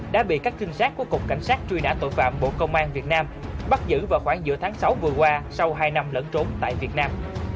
đã bị các trinh sát của cục cảnh sát truy nã tội phạm bộ công an việt nam bắt giữ vào khoảng giữa tháng sáu vừa qua sau hai năm lẫn trốn tại việt nam